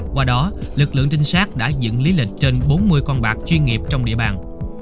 qua đó lực lượng trinh sát đã dựng lý lịch trên bốn mươi con bạc chuyên nghiệp trong địa bàn